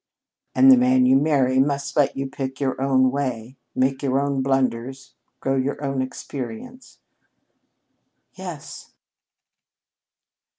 "And the man you marry must let you pick your own way, make your own blunders, grow by your own experience." "Yes."